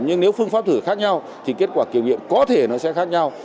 nhưng nếu phương pháp thử khác nhau thì kết quả kiểm nghiệm có thể nó sẽ khác nhau